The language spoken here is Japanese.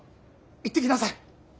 行ってきなさい。